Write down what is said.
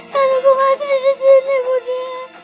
jangan lupa masri disini budi